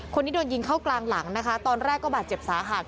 คนนี้โดนยิงเข้ากลางหลังนะคะตอนแรกก็บาดเจ็บสาหัส